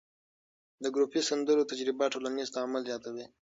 د ګروپي سندرو تجربه ټولنیز تعامل زیاتوي.